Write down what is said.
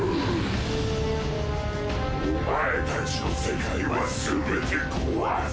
お前たちの世界は全てこわす！